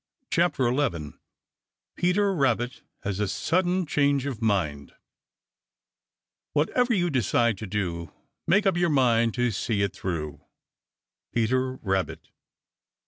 CHAPTER XI PETER RABBIT HAS A SUDDEN CHANGE OF MIND Whatever you decide to do Make up your mind to see it through. Peter Rabbit.